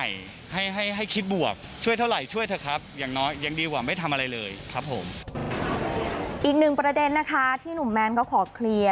อีกหนึ่งประเด็นนะคะที่หนุ่มแมนเขาขอเคลียร์